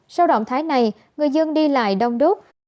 sau động thái này người dân đi lại đông đúc